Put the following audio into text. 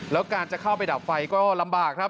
แล้วการจะเข้าไปดับไฟก็ลำบากครับ